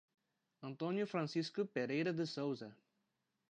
Antônio Francisco Pereira de Sousa